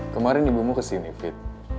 kemarin ibumu kesini fit